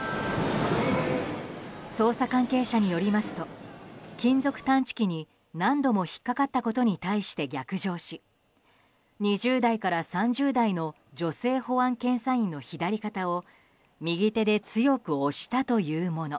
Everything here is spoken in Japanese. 捜査関係者によりますと金属探知機に何度も引っかかったことに対して逆上し２０代から３０代の女性保安検査員の左肩を右手で強く押したというもの。